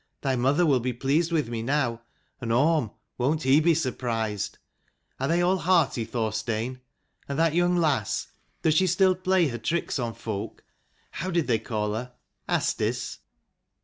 Thy mother will be pleased with me now, and Orm, won't he be surprised ? Are they all hearty, Thorstein ? And that young lass, does she still play her tricks on folk ? how did they call her ^ Asdis?"